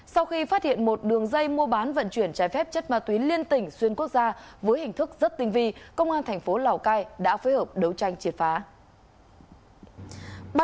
sau khi phát hiện một đường dây mua bán vận chuyển trái phép chất ma túy liên tỉnh xuyên quốc gia với hình thức rất tinh vi công an thành phố lào cai đã phối hợp đấu tranh triệt phá